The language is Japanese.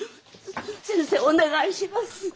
先生お願いします！